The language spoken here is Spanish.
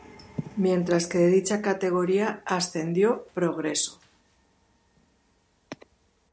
Mientras que de dicha categoría ascendió Progreso.